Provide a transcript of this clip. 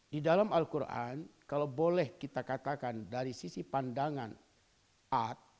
di dalam al quran kalau boleh kita katakan dari sisi pandangan ad